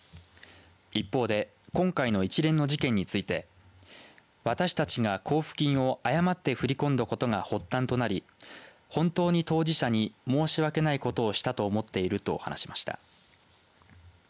一方で今回の一連の事件について私たちが交付金を誤って振り込んだことが発端となり本当に当事者に申し訳ないことをしたと思っていると話しました。